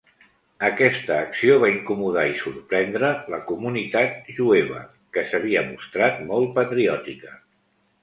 Aquesta acció va incomodar i sorprendre la comunitat jueva, que s'havia mostrat molt patriòtica.